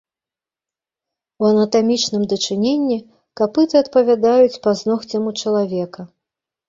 У анатамічным дачыненні капыты адпавядаюць пазногцям у чалавека.